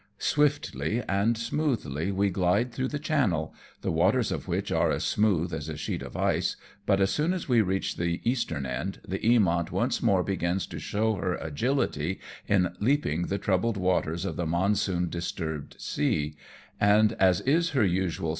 Swiftly and smoothly we glide through the channel, the waters of which are as smooth as a sheet of ice, but as soon as we reach the eastern end, the Eamont once more begins to show her agility in leaping the troubled waters of the monsoon disturbed sea, and as is her usual 2s6 AMONG TYPHOONS AND PIRATE CRAFT.